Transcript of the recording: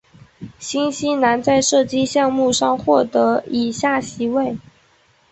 新西兰在射击项目上获得以下席位。